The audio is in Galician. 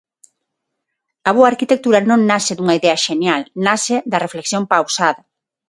A boa arquitectura non nace dunha idea xenial, nace da reflexión pausada.